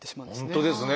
本当ですね。